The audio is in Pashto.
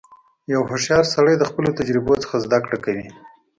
• یو هوښیار سړی د خپلو تجربو څخه زدهکړه کوي.